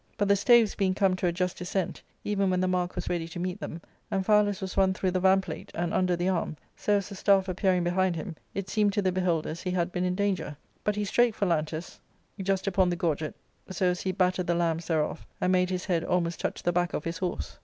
But the staves being come to a just descent, even when the mark was ready to meet them, Amphialus was run through the vamplate, and under the arm, so as the staff appearing behind him, it seemed to the beholders he had been in danger. But he strake Phalantus just upon the gorget, so as he battered the lamms* thereof, and made his head almost touch the back of his horse.